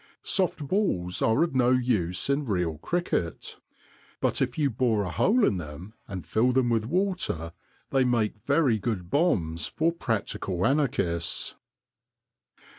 Soft balls are of no use in real cricket ; but if you bore a hole in them and fill them with water they make very good bombs for practical anarchists.